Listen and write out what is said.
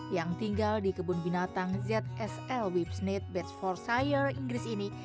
yang tinggal di kebun binatang zsl whipsnake bedsfordshire inggris ini